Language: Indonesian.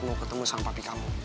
mau ketemu sama pak fi kamu